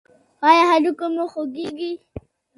ایا هډوکي مو خوږیږي؟